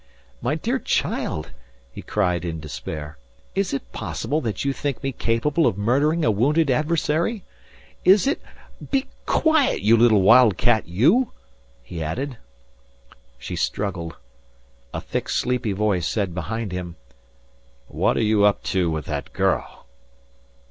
"My dear child," he cried in despair, "is it possible that you think me capable of murdering a wounded adversary? Is it.... Be quiet, you little wildcat, you," he added. She struggled. A thick sleepy voice said behind him: "What are you up to with that girl?"